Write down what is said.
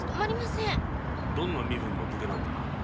どんな身分の武家なんだ？